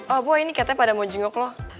oh boy ini katanya pada mau jengok lo